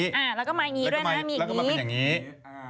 อ่าแล้วก็มาอย่างนี้ด้วยนะมีอย่างนี้